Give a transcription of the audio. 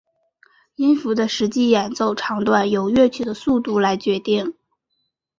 音符的实际演奏长短由乐曲的速度来决定。